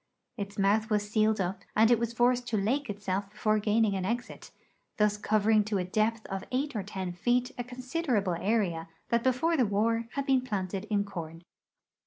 Its mouth was sealed up, and it was forced to lake itself before gaining an exit, thus covering to a depth of eight or ten feet a considerable area that before the war had been planted in corn.